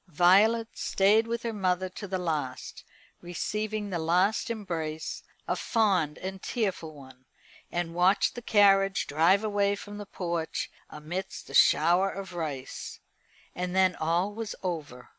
Violet stayed with her mother to the last, receiving the last embrace a fond and tearful one and watched the carriage drive away from the porch amidst a shower of rice. And then all was over.